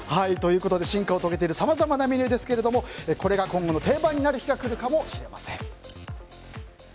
進化を遂げているさまざまなメニューですがこれが今後の定番になる日が来るかもしれません。